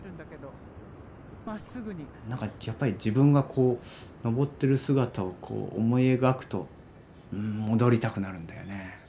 なんかやっぱり自分が登ってる姿を思い描くと戻りたくなるんだよね。